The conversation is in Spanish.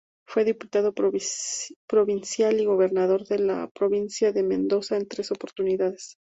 Fue Diputado Provincial y Gobernador de la Provincia de Mendoza en tres oportunidades.